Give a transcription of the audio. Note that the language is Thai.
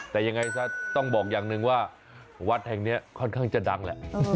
แต่ยังไงซะต้องบอกอย่างหนึ่งว่าวัดแห่งนี้ค่อนข้างจะดังแหละ